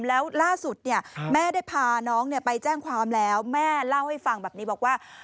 แล้วล่าสุดแม่ได้พาน้องไปแจ้งความแล้วแม่เล่าให้ฟังแบบนี้บอกว่า